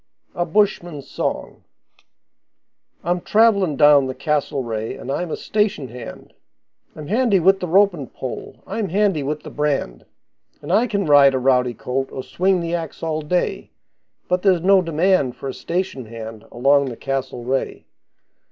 A Bushman's Song I'm travellin' down the Castlereagh, and I'm a station hand, I'm handy with the ropin' pole, I'm handy with the brand, And I can ride a rowdy colt, or swing the axe all day, But there's no demand for a station hand along the Castlereagh.